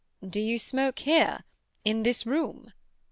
"Do you smoke here—in this room?"